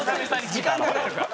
時間かかるから。